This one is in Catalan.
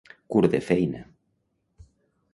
Curt de feina.